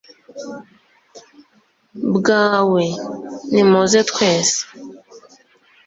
bwawe; nimuze twese